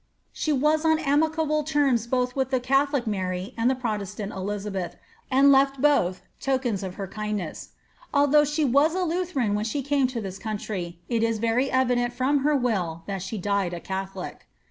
She was on amicable terms both with the catholic Mary and the protestant Elizabeth, and lef\ both tokens of her kindness. Although she was a Lutheran when she came to this country, it is very evident from her will that she died a catholic.